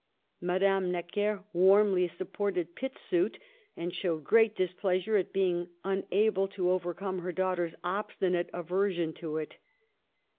Madame Necker warmly supported Pitt's suit, and showed great displeasure at being una ble to overcome her daughter's obstinate aversion to it.